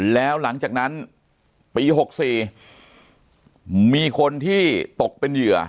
แล้วหลังจากนั้นปี๖๔มีคนที่ตกเป็นเหยื่อ